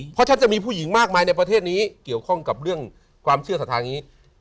เพราะฉันจะมีผู้หญิงมากมายในประเทศนี้เกี่ยวข้องกับเรื่องความเชื่อสัทธาอย่างนี้